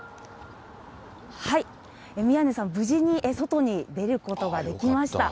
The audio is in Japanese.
宮根さん、無事に外に出ることができました。